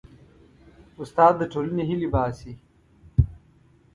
استاد د ټولنې هیلې باسي.